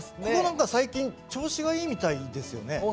ここ何か最近調子がいいみたいですよね。